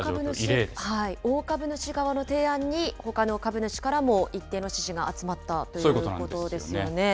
大株主側の提案に、ほかの株主からも一定の支持が集まったということですよね。